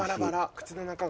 口の中が。